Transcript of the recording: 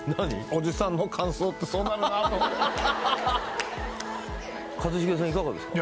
おじさんの感想ってそうなるなーと思って一茂さんいかがですか？